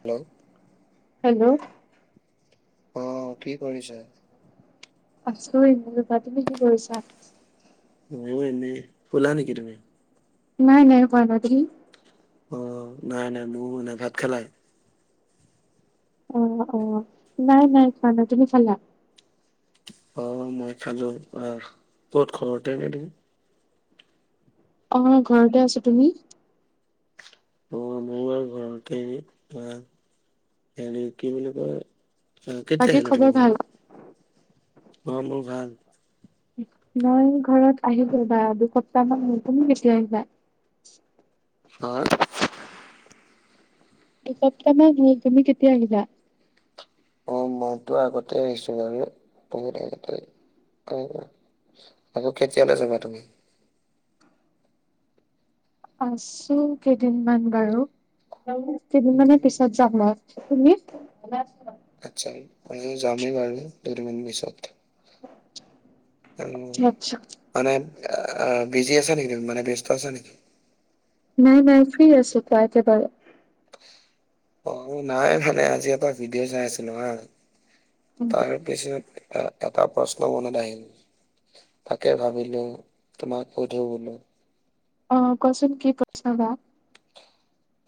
Hello hello অ কি কৰিছে? আছো এনেই ৰবা। তুমি কি কৰি ছা? মই এনেই। শুলা নেকি তুমি? নাই নাই শুৱা না তুমি? অ নাই নাই। মোৰ মানে ভাত খালাই? অ অ নাই নাই খোৱা নাই। তুমি খালা? অ মই খালো আহ। ক'ত ঘৰতে নে তুমি? অ ঘৰতে আছো। তুমি? অ মোৰ আৰু ঘৰতেৰি বা হৰি কি বুলি কয়? অ কেতিয়া বাকী আহিলা তুমি খবৰ ঘ? ভাল? অ মোৰ ভাল। মই ঘৰত আহি ববা দুসপ্তাহ মান হৈছে। তুমি কেতিয়া আহিবা? [unintelligible] এসপ্তাহ মান হল। তুমি কেতিয়া আহিবা? অ মইতো আগতে আহিছো বাৰু বহুত আগতেই। আকৌ কেতিয়ালৈ জাবা তুমি? আছো কেইদিনমান বাৰু আৰু কেইদিনমানৰ পিছত যাম মই। তুমি? ভালে আছো মই। আচ্ছা আমিয়ো যামেই বাৰো দুদিন মান পিছত। [unintelligible] আচ্ছা মানে আ বিজি আছা নেকি তুমি? মানে ব্যস্ত আছা নেকি? নাই নাই ফ্ৰী আছো কোৱা এতে তাৰে। অ নাই মানে আজি এটা ভিডিঅ' চাই আছিলো হা তাৰ বেছিনত এটা এটা প্ৰশ্ন মনত আহিল? তাকে ভাবিলো তোমাক সোধো বোলো অ কোৱাচোন কি প্ৰশ্ন বা?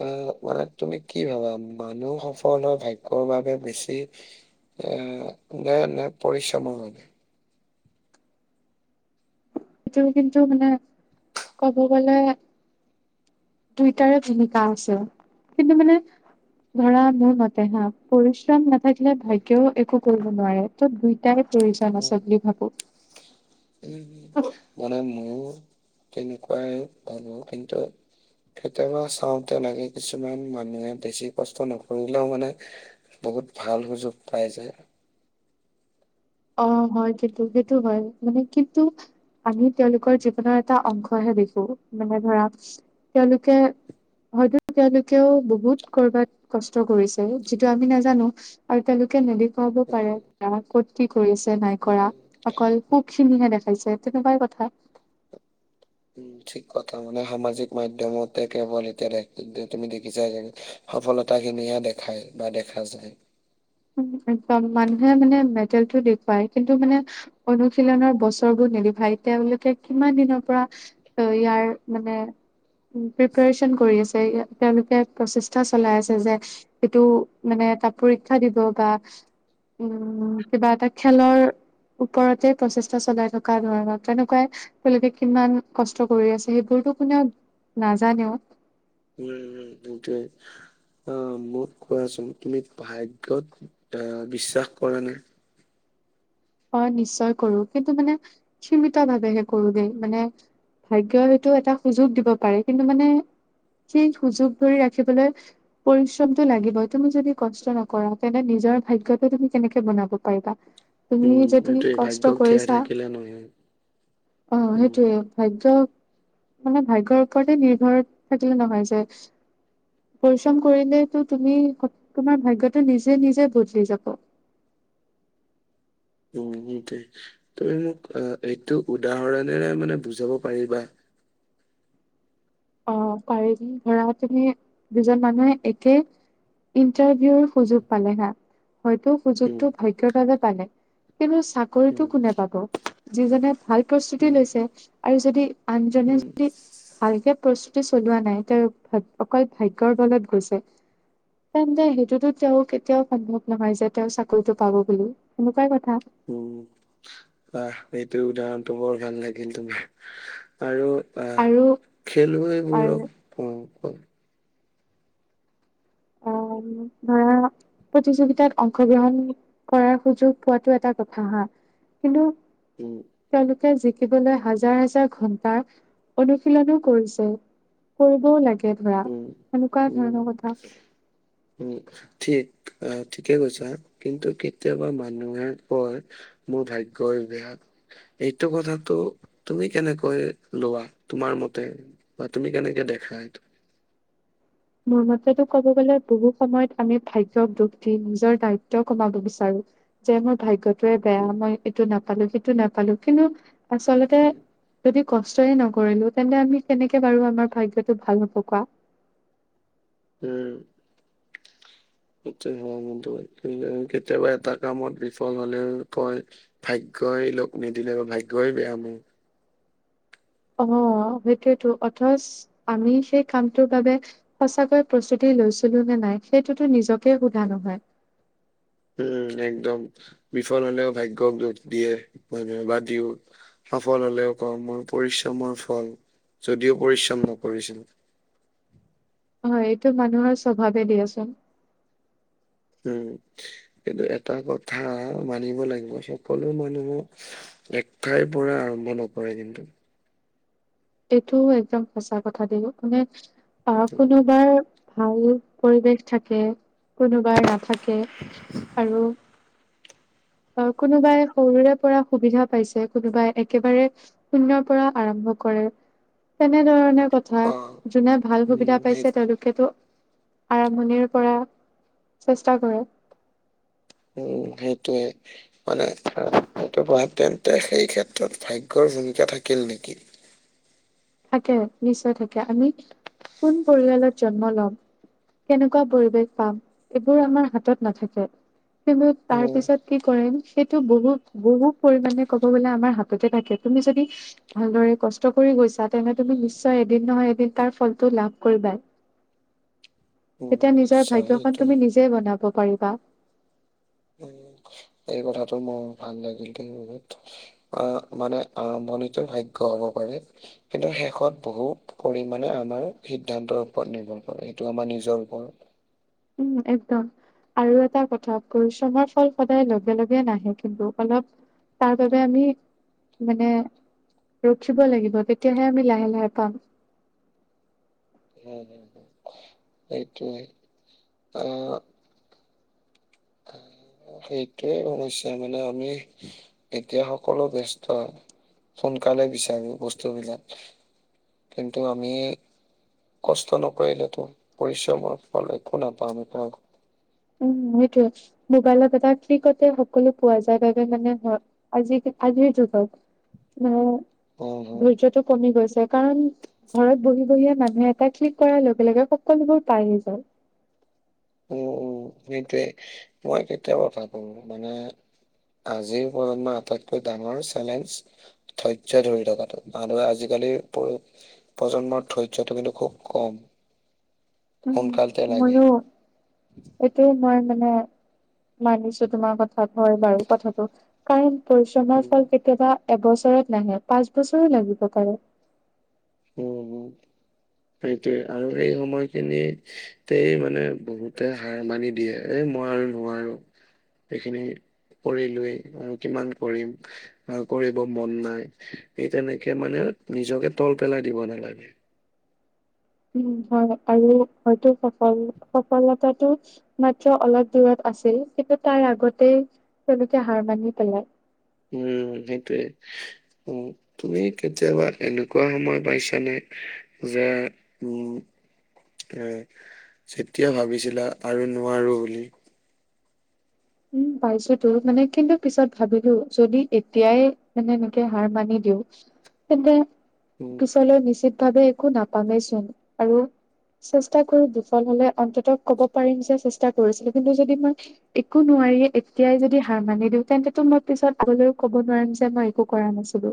আহ ৱা মানে তুমি কি ভাবা? মানুহ সফল হোৱা ভাগ্যৰ বাবে বেছি এ নে নে পৰিশ্ৰমৰ কাৰনে? সেইটো কিন্তু মানে ক'ব গলে দুইটাৰে ভুমিকা আছে কিন্তু মানে ধৰা মোৰ মতে হা পৰিশ্ৰম নাথাকিলে ভাগ্যও একো কৰিব নোৱাৰে। ত দুইটাই প্ৰয়োজন উম, আছে বুলি ভাবো। উম মানে মইয়ো তেনেকোৱাই ভাবো কিন্তু কেতিয়াবা চাওতে লাগে কিছুমান মানুহে বেছি কষ্ট নকৰিলেও মানে বহুত ভাল সুযোগ পাই যায়। অ হয় কিন্তু সেইটো হয় মানে কিন্তু আমি তেওঁলোকৰ জীৱনৰ এটা অংশহে দেখো মানে ধৰা তেওঁলোকে হয়তো তেওঁলোকেও বহুত কৰবাত কষ্ট কৰিছে, যিটো আমি নাজানো আৰু তেওঁলোকে নেদেখুৱাব উম, পাৰে আমাক কত, কি কৰি আছে, নাই কৰা উম। অকল সুখ খিনিহে দেখাইছে তেনেকোৱাই কথা। উম ঠিক কথা মানে সামাজিক মাধ্যমতে কেৱল এতিয়া দে তুমি দেখিছাই চাগে সফলতাখিনিয়ে দেখায় বা দেখা যায় উ একদম মানুহে মানে মেটেলতো দেখুৱায় কিন্তু মানে অনুশীলনৰ বছৰবোৰ নেদেখোই তেওঁলোকে কিমান দিনৰ পৰা ত ইয়াৰ মানে প্ৰিপাৰেচন কৰি আছে তেওঁলোকে প্ৰচেষ্টা চলাই আছে যে এইটো মানে তাক পৰীক্ষা দিব বা উম কিবা এটা খেলৰ ওপৰতে প্ৰচেষ্টা চলাই থকা ধৰণৰ তেনেকোৱাই তেওঁলোকে কিমান কষ্ট কৰি আছে সেইবোৰতো কোনেও নাজানেও। নাই নাই সেইটোৱে। অ মোক কোৱাচোন তুমি ভাগ্যত আহ বিশ্বাস কৰা নে? অ নিশ্চয় কৰো কিন্তু মানে সীমিত ভাৱেহে কৰো দেই মানে ভাগ্য সেইটো এটা সুযোগ দিব পাৰে কিন্তু মানে যি সুযোগ ধৰি ৰাখিবলৈ পৰিশ্ৰমতো লাগিবই তুমি যদি কষ্ট নকৰা তেন্তে নিজৰ ভাগ্যটো তুমি কেনেকে বনাব পাৰিবা তুমি উম, যদি সেইটোৱে কষ্ট ভাগ্যক জীয়াই কৰিছা থাকিলে নহয়। অ উম, সেইটোৱে ভাগ্যক মানে ভাগ্যৰ ওপৰতে নিৰ্ভৰ থাকিলে নহয় যে পৰিশ্ৰম কৰিলেতো তুমি তোমাৰ ভাগ্যতো নিজে নিজে বদলি যাব উম সেইটোৱে তুমি মোক অ এইটো উদাহৰণেৰে মানে বুজাব পাৰিবা অ পাৰিম ধৰা তুমি দুজন মানুহে একে ইন্টাৰভিউৰ সুযোগ পালে হা হয়তো উম, সুযোগটো ভাগ্যৰ বাবে পালে কিন্তু চা কৰিতো উম, কোনে পাব যিজনে ভাল প্ৰস্তুতি উম, লৈছে আৰু যদি আনজনে উম, যদি ভালকে প্ৰস্তুতি চলোৱা নাই তেওঁ অকল ভাগ্যৰ বলত গৈছে। তেন্তে সেইটোতো তেওঁ কেতিয়াও সম্ভৱ নহয় যে তেওঁ চাকৰিটো পাব বুলি। এনেকুৱাই কথা- উম বাহ এইটো উদাহৰণটো বৰ ভাল লাগিল, তোমাৰ আৰু- বা আৰু খেলুৱৈবোৰক উ উম অ উ ধৰা প্ৰতিযোগিতাত অংশগ্ৰহণ কৰাৰ সুযোগ পোৱাটো এটা কথা হা কিন্তু উম তেওঁলোকে জিকিবলৈ হাজাৰ হাজাৰ ঘন্টাৰ অনুশীলনো কৰিছে। কৰিবও লাগে ধৰা, উম, এনেকুৱা উম, ধৰণৰ কথা। উম ঠিক আহ ঠিকে কৈছা, কিন্তু কেতিয়াবা মানুহে কয়- মোৰ ভাগ্যই বেয়া এইটো কথাটো তুমি কেনেকৈ লবা, তোমাৰ মতে- বা তুমি কেনেকে দেখা এইটো। মোৰ মতে তো ক'ব গ'লে বহুত। সময়ত আমি ভাগ্যক দুখ দি নিজৰ দায়িত্ব কমাব বিচাৰো, যে মোৰ ভাগ্যত- টোৱে বেয়া মই এইটো নাপালো সেইটো নাপালো কিন্তু আচলতে যদি- কষ্টয়ে নকৰিলো তেন্তে আমি কেনেকে বাৰু আমাৰ ভাগ্যটো ভাল হব কোৱা। উম সেইটোৱেই হয় কিন্তু কেতিয়াবা এটা কামত বিফল হলেও কয়। ভাগ্যই লগ নিদিলে বা ভাগ্যই বেয়া মোৰ। অ সেইটোয়েতো অথচ। আমি সেই কামটোৰ বাবে সঁচাকৈ প্ৰস্তুতি লৈছিলো নে নাই। সেইটোতো নিজকে সোধা নহয়। উম একদম। বিফল হলেও ভাগ্যক দুখ দিয়ে মানুহে বা দিও। সফল হলেও কওঁ মই পৰিশ্ৰমৰ ফল, যদিও পৰিশ্ৰম নকৰিছিলো। হয় এইটো মানুহৰ স্বভাৱে দিয়াচোন। উম কিন্তু এটা কথা মানিব লাগিব সকলো মানুহক- এক ঠাইৰ পৰা আৰম্ভ নকৰে কিন্তু- এইটো একদম সঁচা কথা দেই, মানে আহ উম, কোনোবাৰ- ভাল পৰিৱেশ থাকে, কোনোবাই নাথাকে আৰু। অ কোনোবাই সৰুৰে পৰা সুবিধা পাইছে, কোনোবাই একেবাৰে- শূন্যৰ পৰা আৰম্ভ কৰে, তেনেধৰণে- কথা অ', যোনে ভাল উম, সুবিধা সেই পাইছে তেওঁলোকেতো- আৰম্ভণিৰে পৰা চেষ্টা কৰে। উম সেইটোৱে। মানে আহ তেন্তে সেই ক্ষেত্ৰত ভাগ্যৰ ভূমিকা থাকিল নেকি। থাকে নিশ্চয় থাকে, আমি কোন পৰিয়ালত জন্ম লম। কেনেকুৱা পৰিৱেশ পাম এইবোৰ আমাৰ হাতত নাথাকে। সেইবোৰত তাৰ উম, পিছত কি কৰিম। সেইটো বহুত বহুত পৰিমণে ক'ব গলে আমাৰ হাততে থাকে তুমি যদি- ভালদৰে কষ্ট কৰি গৈছা- তেনে তুমি নিশ্চয় এদিন নহয় এদিন তাৰ ফলটো লাভ কৰিবাই। উম, তেতিয়া নিজৰ নিশ্চয় ভাগ্যখন সেইটো তুমি নিজে বনাব পাৰিবা। উ এই কথাটো মোৰ ভাল লাগিল মনত- আহ মানে আৰম্ভণিতৰ ভাগ্য হব পাৰে। কিন্তু শেষত বহু পৰিমাণে আমাৰ সিদ্ধান্তৰ ওপৰত নিৰ্ভৰ কৰে সেইটো আমাৰ নিজৰ ওপৰত- উম একদম- আৰু এটা কথা, পৰিশ্ৰমৰ ফল, সদায় লগে- লগে নাহে কিন্তু। অলপ, তাৰ বাবে, আমি মানে, ৰখিব লাগিব। তেতিয়াহে, আমি লাহে লাহে পাম। উম! সেইটোৱে, অ'! সেইটোৱে সমস্যা। মানে, আমি এতিয়া সকলো ব্যস্ত হয় সোনকালে বিচাৰো বস্তুবিলাক। কিন্তু আমি- কষ্ট নকৰিলে তো পৰিশ্ৰমৰ ফল একো নাপাও সেইটো আক উম সেইটোৱে মোবাইলত এটা ত্ৰিকতে সকলো পোৱা যায় বাবে মানে আজি আজিৰ যুগক- [unintelligible] উম ধৈৰ্যটো কমি গৈছে। কাৰণ, ঘৰত বহি, বহিয়ে, মানুহে, এটা ক্লিক [unintelligible] লগে, লগে সকলোবোৰ পাই, নিজৰ উম, উম! সেইটৱে। মই, কেতিয়াবা ভাবোঁ মানে আজিৰ প্ৰজন্মৰ, আটাইতকৈ ডাঙৰ চেলেঞ্জ ধৈৰ্য্য ধৰি থকাটো, মানুহে আজিকালি [unintelligible] প্ৰজন্মৰ ধৈৰ্যটো কিন্তু, খুব কম। উম! সোনকালতে লাগে। মোৰো। এইটো, মই মানে, মানিছো তোমাৰ কথাত, হয় বাৰু কথাটো। কাৰণ, পৰিশ্ৰমৰ উম ফল কেতিয়াবা, এবছৰত নাহে, পাঁচ বছৰো লাগিব পাৰে। উম, উম! সেইটোৱে! আৰু এই সময়খিনিতেই মানে, বহুতে হাৰ মানি দিয়ে। এ, মই আৰু নোৱাৰোঁ। এইখিনি কৰি লৈ, আৰু কিমান কৰিম। অ'! কৰিব মন নাই। সেই, তেনেকে মানে, নিজকে তল পেলাই দিব নালাগে। হয়! আৰু হয়তো, সফল সফলতাটো মাত্ৰ, অলপ দূৰত আছে। কিন্তু, তাৰ আগতেই তেওঁলোকে, হাৰ মানি পেলাই। উম! সেইটোৱে। অ'! তুমি কেতিয়াবা, এনেকুৱা সময় পাইছানে? যে, উম! এ, যেতিয়া ভাবিছিলা আৰু নোৱাৰোঁ বুলি। উম! পাইছোতো। মানে কিন্তু, পিছত ভাবিলোঁ, যদি এতিয়াই মানে, এনেকে হাৰ মানি দিওঁ! তেন্তে, উম পিছলৈ নিশ্চিত ভাৱে, একো নাপামেইচোন। আৰু চেষ্টা কৰোঁ। বিফল হ'লে, অন্তত ক'ব পাৰিম যে, চেষ্টা কৰিছিলোঁ। কিন্তু, যদি মই একো নোৱাৰি এতিয়াই, যদি হাৰ মানি দিওঁ, তেন্তেতো মই, পিছত আগলৈও ক'ব নোৱাৰিম যে, মই একো কৰা নাছিলোঁ।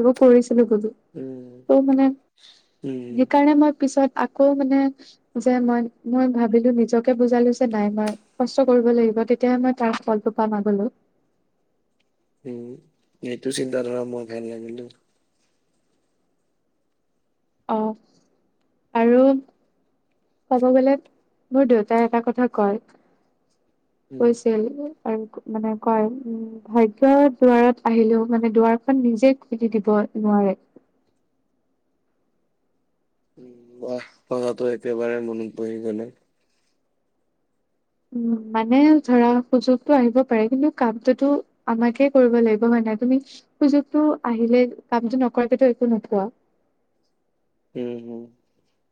একো, কৰিছিলো বুলি। উম ত' মানে, উম সেইকাৰণে মই পিছত আকৌ মানে যে, মই, মই ভাবিলোঁ! নিজকে বুজালোঁ যে, নাই মই, কষ্ট কৰিব লাগিব। তেতিয়াহে মই তাৰ ফলটো পাম আগলেও। উম! এইটো চিন্তাধাৰা মোৰ ভাল লাগিলে। অ'! আৰু ক'ব গ'লে, মোৰ দেউতাই এটা কথা কয়, উম কৈছিল। আৰু মানে, কয়। উম! ভাগ্য দুৱাৰত, আহিলেও মানে, দুৱাৰখন নিজে খুলি দিব নোৱাৰে। উম! ৱাহ! পঢ়াটো একেবাৰে মনত পৰি উম! মানে, ধৰা সুযোগটো আহিব পাৰে। কিন্তু, কামটোতো আমাকে কৰিব লাগিব, হয় নাই? তুমি সুযোগটো আহিলে, কামটো নকৰাকেতো, একো নকোৱা। উম!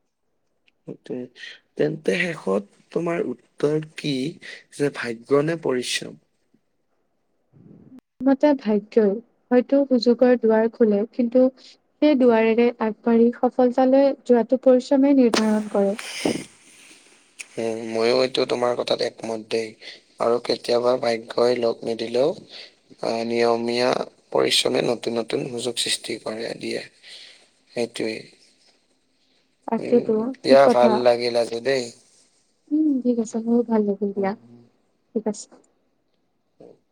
[unintelligible] সেইটোৱে। তেন্তে, শেষত তোমাৰ উত্তৰ কি? যে, ভাগ্য নে, পৰিশ্ৰম? মোৰ মতে, ভাগ্য। হয়ত, সুযোগৰ দুৱাৰ খোলে। কিন্তু সেই উম দুৱাৰেৰে আ [unintelligible] সফলতালৈ যোৱাতো পৰিশ্ৰমে, নিৰ্ধাৰণ কৰক। উম! মইয়ো এইটো, তোমাৰ কথাত একমত দেই। আৰু কেতিয়াবা ভাগ্যই লগ নিদিলেও? আহ নিয়মীয়া পৰিশ্ৰমে নতুন নতুন সুযোগ সৃষ্টি কৰে, দিয়ে। সেইটোৱে উম তাকেতো ঠিক দিয়া কথা ভাল লাগিল আজি দেই। উম ঠিক আছে বহুত ভাল লাগিল উম। দিয়া, ঠিক আছে। [unintelligible]